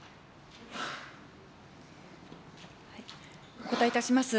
お答えいたします。